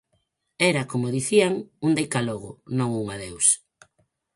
Era, como dicían, un deica logo, non un adeus.